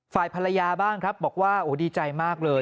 ฝ่ายภรรยาบ้างครับบอกว่าโอ้ดีใจมากเลย